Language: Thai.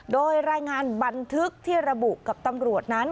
โดยรายงานบันทึกที่ระบุกับตำรวจนั้น